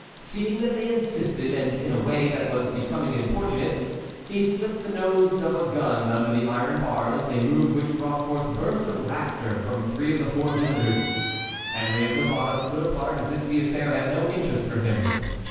Seeing that they insisted, and in a way that was becoming importunate, he slipped the nose of a gun under the iron bars, a move which brought forth bursts of laughter from three of the four visitors. Henry of Navarre stood apart, as if the affair had no interest for him.